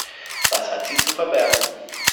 Was hat sie zu verbergen?